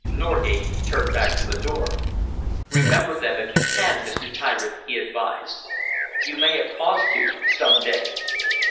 Norgate turned back from the door. "Remember them, if you can, Mr. Tyritt," he advised, "You may have cause to, some day."